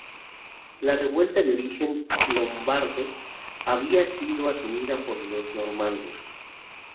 La revuelta de origen lombardo había sido asumida por los normandos.